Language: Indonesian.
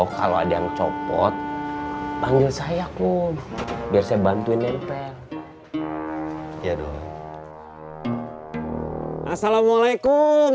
kalau ada yang copot panggil saya aku biar saya bantuin nempel ya doa assalamualaikum